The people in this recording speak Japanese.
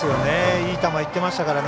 いい球いってましたからね。